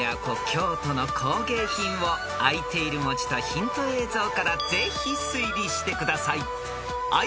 京都の工芸品をあいている文字とヒント映像からぜひ推理してください］